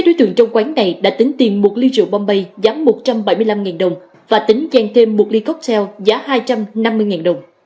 đối tượng trong quán này đã tính tiền một ly rượu pompeii giá một trăm bảy mươi năm đồng và tính gian thêm một ly cocktail giá hai trăm năm mươi đồng